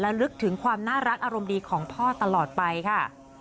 ลึกถึงความน่ารักอารมณ์ดีของพ่อตลอดไปค่ะ